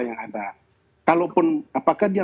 yang ada kalaupun apakah dia